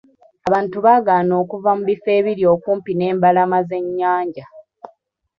Abantu baagaana okuva mu bifo ebiri okumpi n'embalama z'ennyanja.